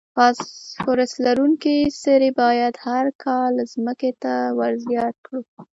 فاسفورس لرونکي سرې باید هر کال ځمکې ته ور زیات کړو.